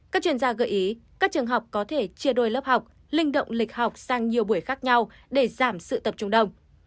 các chuyên gia gợi ý các trường học có thể chia đôi lớp học linh động lịch học sang nhiều buổi khác nhau để giảm sự tập trung đông